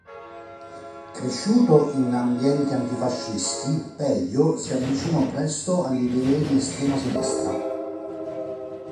Cresciuto in ambienti antifascisti, Pedio si avvicinò presto alle idee di estrema sinistra.